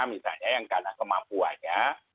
misalnya yang karena kemampuannya